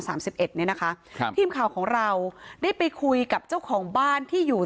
๓๑นี้นะคะทีมข่าวของเราได้ไปคุยกับเจ้าของบ้านที่อยู่